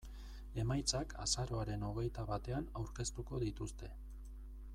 Emaitzak azaroaren hogeita batean aurkeztuko dituzte.